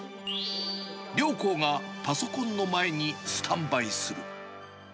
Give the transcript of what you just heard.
両校がパソコンの前にスタンバイする。